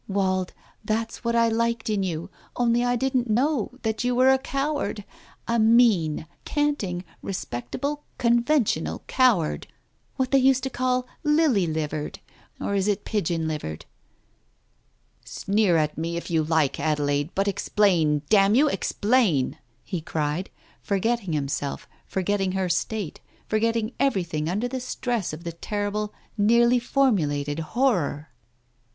Wald, that's what I liked in you, only I didn't know that you were a coward — a mean, canting, respectable, conventional coward — what they used to call lily livered — or is it pigeon livered ?" "Sneer at me if you like, Adelaide, but explain. Damn you, explain !" he cried, forgetting himself, for getting her state, forgetting everything under the stress of the terrible, nearly formulated Horror.